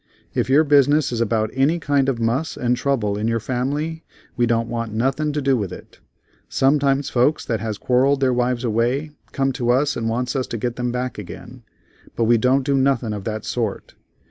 If your business is about any kind of muss and trouble in your family we don't want nothin' to do with it. Sometimes folks that has quarrelled their wives away come to us and wants us to get them back again, but we don't do nothing of that sort.